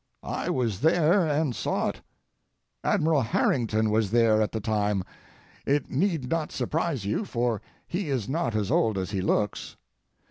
I was there and saw it. Admiral Harrington was there at the time. It need not surprise you, for he is not as old as he looks.